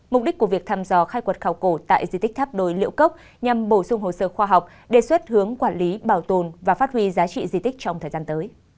mục đích của việc thăm dò khai quật khảo cổ tại di tích tháp đồi liễu cốc nhằm bổ sung hồ sơ khoa học đề xuất hướng quản lý bảo tồn và phát huy giá trị di tích trong thời gian tới